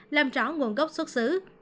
làm rõ nguồn gốc xuất xứ